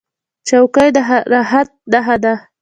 چوکۍ د راحت نښه ده.